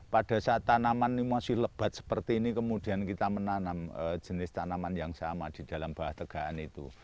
pada saat tanaman ini masih lebat seperti ini kemudian kita menanam jenis tanaman yang sama di dalam buah tegaan itu